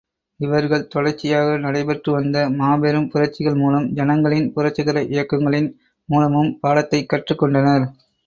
இவர்கள் தொடர்ச்சியாக நடைபெற்றுவந்த மாபெரும் புரட்சிகள் மூலம் ஜனங்களின் புரட்சிகர இயக்கங்களின் மூலமும் பாடத்தைக் கற்றுக் கொண்டனர்.